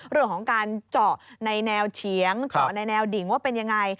เรื่องของการเจาะในแนวเฉียงเจาะในแนวดิ่งว่าเป็นยังไง